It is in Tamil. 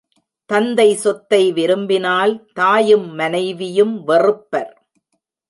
தந்தை சொத்தை விரும்பினால் தாயும் மனைவியும் வெறுப்பர்.